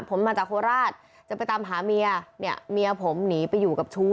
ผมมาจากโฆษ์ราชศพจะไปตามหามียามียาผมหนีไปอยู่กับชู้